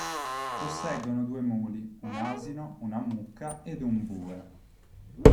Posseggono due muli, un asino, una mucca ed un bue.